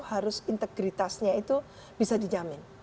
harus integritasnya itu bisa dijamin